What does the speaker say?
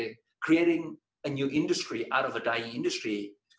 menciptakan industri baru dari industri kering